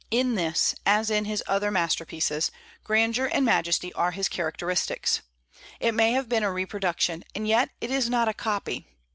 In this, as in his other masterpieces, grandeur and majesty are his characteristics. It may have been a reproduction, and yet it is not a copy.